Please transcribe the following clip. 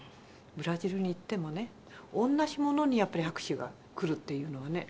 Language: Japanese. ブラジルに行ってもね同じものにやっぱり拍手が来るっていうのはね。